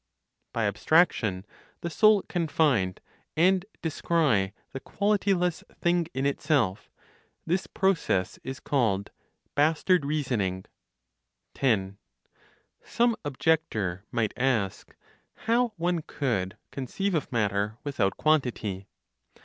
BY ABSTRACTION, THE SOUL CAN FIND AND DESCRY THE QUALITY LESS THING IN ITSELF: THIS PROCESS IS CALLED "BASTARD REASONING." 10. (Some objector) might ask how one could conceive of matter without quantity?